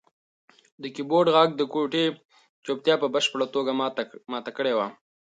د کیبورډ غږ د کوټې چوپتیا په بشپړه توګه ماته کړې وه.